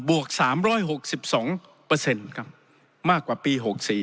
วก๓๖๒ครับมากกว่าปี๖๔